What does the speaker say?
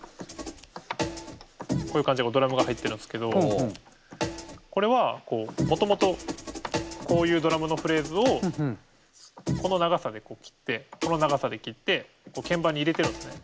こういう感じでドラムが入ってるんですけどこれはもともとこういうドラムのフレーズをこの長さで切ってこの長さで切って鍵盤に入れてるんですね。